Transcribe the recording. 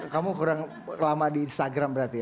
kamu kurang lama di instagram berarti ya